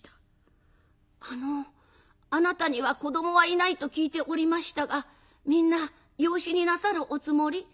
「あのあなたには子どもはいないと聞いておりましたがみんな養子になさるおつもり？